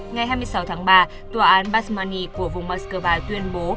ngày hai mươi sáu tháng ba tòa án basmani của vùng moscow tuyên bố